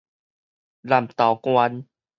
南投縣